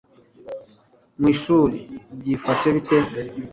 mu ishuri byifashe bite